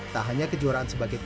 tak hanya kejuaraan sebagai tim